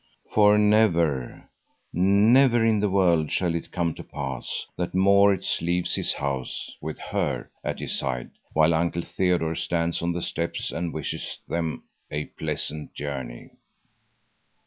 For never, never in the world shall it come to pass that Maurits leaves his house with her at his side while Uncle Theodore stands on the steps and wishes them a pleasant journey.